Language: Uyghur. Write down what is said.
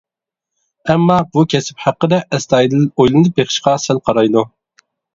ئەمما بۇ كەسىپ ھەققىدە ئەستايىدىل ئويلىنىپ بېقىشقا سەل قارايدۇ.